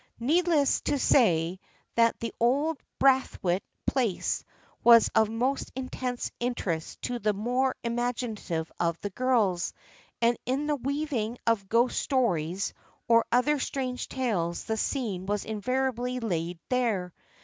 Needless to say that the old Braithwaite place was of most intense interest to the more imaginative of the girls, and in the weaving of " ghost stories " or other strange tales the scene was invariably laid there.